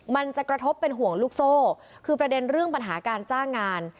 มันจะกระทบเป็นห่วงลูกโซ่คือประเด็นเรื่องปัญหาการจ้างงาน